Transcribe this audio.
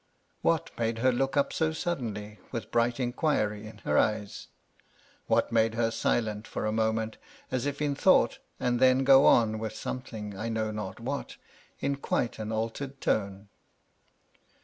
What made her look up so suddenly, with bright inquiry in her eyes? What made her silent for a moment, as if in thought, and then go on with some thing, I know not what, in quite an altered tone